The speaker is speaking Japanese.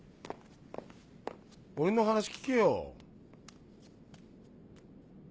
俺の話聞けよ。